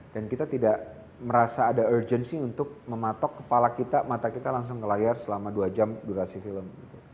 dan kita tidak merasa ada urgency untuk mematok kepala kita mata kita langsung ke layar selama dua jam durasi film